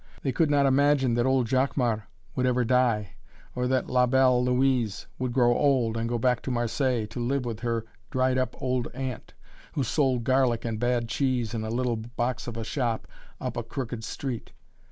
They could not imagine that old Jacquemart would ever die, or that La Belle Louise would grow old, and go back to Marseilles, to live with her dried up old aunt, who sold garlic and bad cheese in a little box of a shop, up a crooked street!